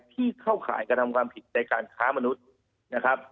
ที่เข้าข่ายกระทำความผิดในการค้ามนุษย์นะครับ